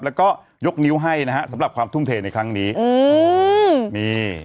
แล้วก็ยกนิ้วให้นะฮะสำหรับความทุ่มเทในครั้งนี้อืมนี่